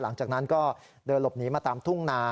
หลังจากนั้นก็เดินหลบหนีมาตามทุ่งนา